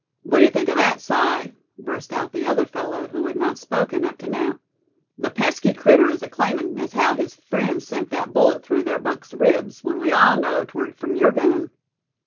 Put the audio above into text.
"What d'ye think of that, Si," burst out the other fellow, who had not spoken, up to now; "the pesky critter is aclaimin' as how his friend sent that bullet through ther buck's ribs, w'en we all know 'twar from yer gun."